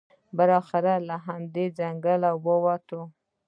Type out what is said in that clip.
بالاخره له همدې ځنګل ووتلو.